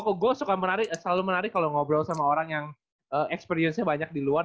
saya suka menarik selalu menarik kalau ngobrol sama orang yang experience nya banyak di luar